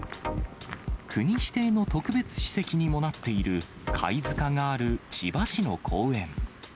国指定の特別史跡にもなっている貝塚がある千葉市の公園。